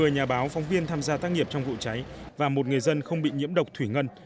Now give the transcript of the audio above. một mươi nhà báo phóng viên tham gia tác nghiệp trong vụ cháy và một người dân không bị nhiễm độc thủy ngân